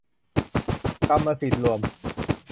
กรรมสิทธิ์รวม